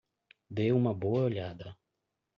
Dê uma boa olhada.